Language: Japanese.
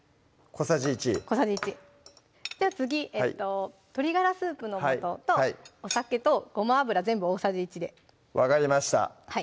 小さじ１じゃあ次鶏ガラスープの素とお酒とごま油全部大さじ１で分かりました